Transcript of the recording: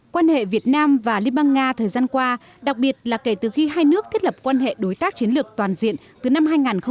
quan hệ việt nam và liên bang nga thời gian qua đặc biệt là kể từ khi hai nước thiết lập quan hệ đối tác chiến lược toàn diện từ năm hai nghìn một mươi ba